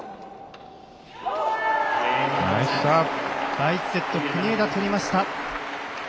第１セット、国枝、取りました。